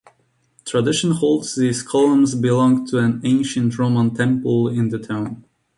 Tradition holds these columns belonged to an Ancient Roman temple in the town.